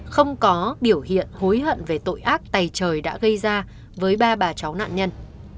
không có biểu hiện hối hận về tội ác tài trời đã gây ra với ba bà cháu nạn nhân